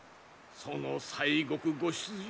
その西国ご出陣